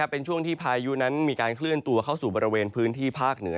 เป็นช่วงที่พายุนั้นมีการเคลื่อนตัวเข้าสู่บริเวณพื้นที่ภาคเหนือ